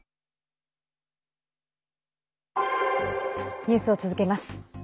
ニュースを続けます。